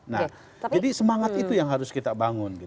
nah jadi semangat itu yang harus kita bangun